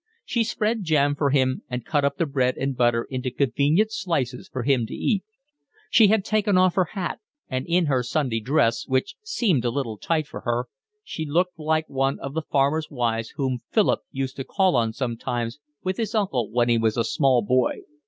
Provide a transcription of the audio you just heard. She spread jam for him and cut up the bread and butter into convenient slices for him to eat. She had taken off her hat; and in her Sunday dress, which seemed a little tight for her, she looked like one of the farmers' wives whom Philip used to call on sometimes with his uncle when he was a small boy.